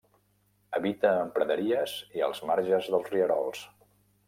Habita en praderies i als marges dels rierols.